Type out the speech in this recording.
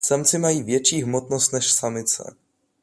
Samci mají větší hmotnost než samice.